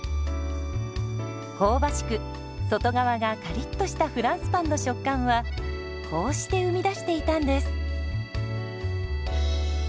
香ばしく外側がカリッとしたフランスパンの食感はこうして生み出していたんです。